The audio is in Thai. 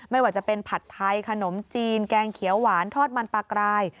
ไม่ว่าจะเป็นผัดไทยขนมจีนแกงเขียวหวานทอดมันปลากราย